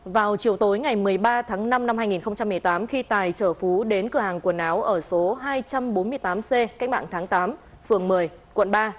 vào chiều tối ngày một mươi ba tháng năm năm hai nghìn một mươi tám khi tài chở phú đến cửa hàng quần áo ở số hai trăm bốn mươi tám c cách mạng tháng tám phường một mươi quận ba